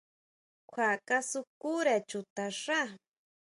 Kjua kasukúre chuta xá.